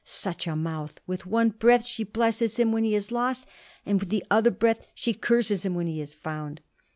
"Such a mouth! With one breath she blesses him when he is lost, and with the other breath she curses him when he is found."